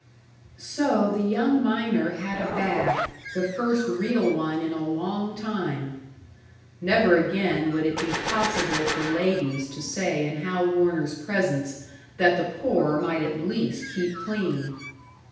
So the young miner had a bath, the first real one in a long time. (Never again would it be possible for ladies to say in Hal Warner's presence that the poor might at least keep clean!)